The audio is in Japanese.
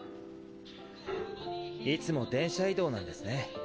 いつも電車移動なんですね。